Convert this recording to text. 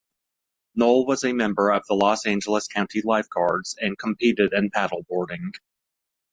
Noll was a member of the Los Angeles County Lifeguards and competed in paddleboarding.